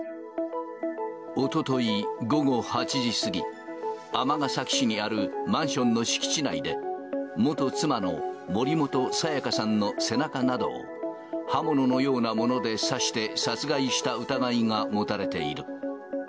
おととい午後８時過ぎ、尼崎市にあるマンションの敷地内で、元妻の森本彩加さんの背中などを刃物のようなもので刺して殺害した疑いがもたれている。